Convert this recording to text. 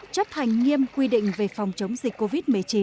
chấp hành nghiêm quy định về phòng chống dịch covid một mươi chín